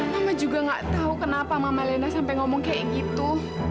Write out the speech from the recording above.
mama juga gak tahu kenapa mama lena sampai ngomong kayak gitu